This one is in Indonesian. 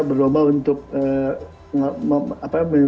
berlomba untuk apa ya